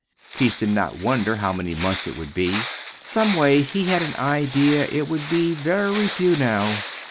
Keith did wonder how many months it would be. Some way he had an idea it would be very few now.